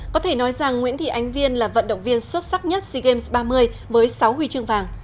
có thể nói rằng nguyễn thị ánh viên là vận động viên xuất sắc nhất sea games ba mươi với sáu huy chương vàng